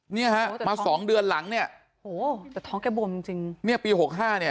เนี่ยฮะมาสองเดือนหลังเนี่ยโหแต่ท้องแกบวมจริงจริงเนี่ยปีหกห้าเนี่ย